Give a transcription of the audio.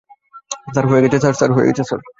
Sir, হয়ে গেছে, sir.